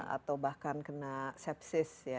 atau bahkan kena sepsis